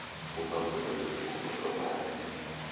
Kumba ngulengule kupotoo maembe